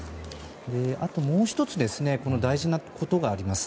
あと、もう１つ大事なことがあります。